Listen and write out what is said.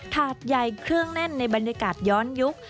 ถาดใหญ่เครื่องแน่นในบรรยากาศย้อนยุค